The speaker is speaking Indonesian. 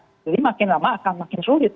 jadi makin lama akan makin sulit